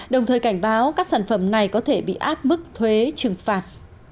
đồng thời cảnh báo các sản phẩm này có thể bị áp mức thuế trừng phạt